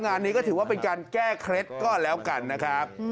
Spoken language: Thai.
งานนี้ก็ถือว่าเป็นการแก้เคล็ดก็แล้วกันนะครับ